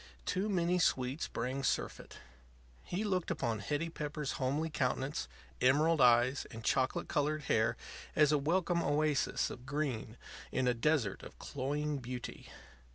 Too many sweets bring surfeit. He looked upon Hetty Pepper's homely countenance, emerald eyes, and chocolate colored hair as a welcome oasis of green in a desert of cloying beauty.